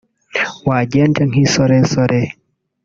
wagenje nk’insoresore